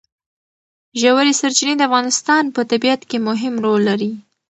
ژورې سرچینې د افغانستان په طبیعت کې مهم رول لري.